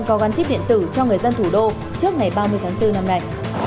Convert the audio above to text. có gắn chip điện tử cho người dân thủ đô trước ngày ba mươi tháng bốn năm nay